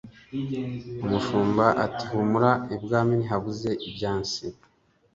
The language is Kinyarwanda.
Umushumba ati"humura ibwami ntihabuze ibyansi